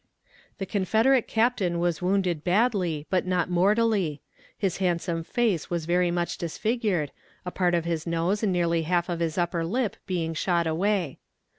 The confederate captain was wounded badly but not mortally; his handsome face was very much disfigured, a part of his nose and nearly half of his upper lip being shot away.